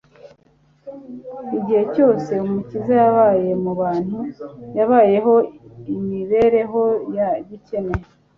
Igihe cyose Umukiza yabaye mu bantu, yabayeho imibereho ya gikene.